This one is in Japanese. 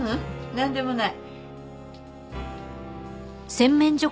なんでもない。